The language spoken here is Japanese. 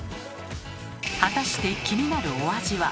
果たして気になるお味は？